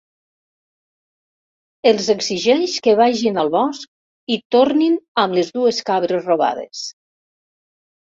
Els exigeix que vagin al bosc i tornin amb les dues cabres robades.